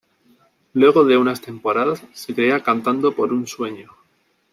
Luego de unas temporadas, se crea Cantando por un sueño.